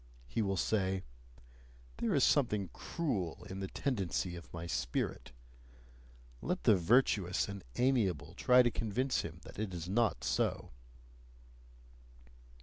He will say: "There is something cruel in the tendency of my spirit": let the virtuous and amiable try to convince him that it is not so!